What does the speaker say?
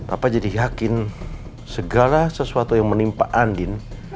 apa jadi yakin segala sesuatu yang menimpa andin